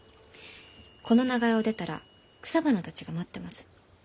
この長屋を出たら草花たちが待ってます。